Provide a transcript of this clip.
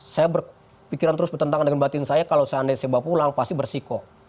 saya berpikiran terus bertentangan dengan batin saya kalau seandainya saya bawa pulang pasti bersiko